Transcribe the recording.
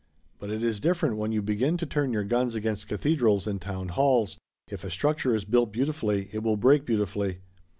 But it is different when you begin to turn your guns against cathedrals and town halls. If a structure is built beautifully it will break beautifully.